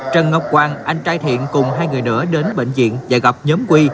trần ngọc quang anh trai thiện cùng hai người đỡ đến bệnh viện và gặp nhóm huy